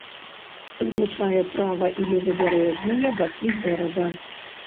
Злучае права- і левабярэжныя бакі горада.